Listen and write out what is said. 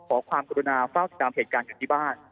ขอความกรุณาเฝ้าติดตามเหตุการณ์กันที่บ้าน